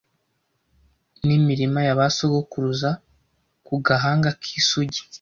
n'imirima ya ba sogokuruza ku gahanga k'isugi